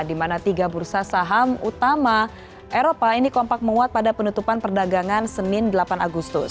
di mana tiga bursa saham utama eropa ini kompak menguat pada penutupan perdagangan senin delapan agustus